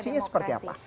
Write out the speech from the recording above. substansinya seperti apa